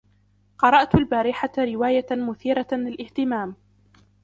قرأت البارحة رواية مثيرة للإهتمام.